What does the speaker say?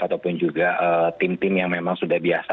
ataupun juga tim tim yang memang sudah biasa